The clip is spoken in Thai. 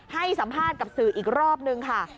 ให้สัมภาษณ์กับสื่ออีกรอบนึงค่ะ